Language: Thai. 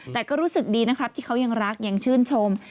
แต่ก็รู้สึกดีนะครับที่เขายังรักยังชื่นชม